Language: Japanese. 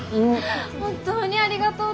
本当にありがとう。